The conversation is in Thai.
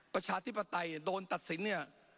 ประชาธิปไตยโดนตัดสินเนี่ย